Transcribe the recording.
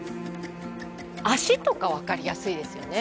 足とか分かりやすいですよね。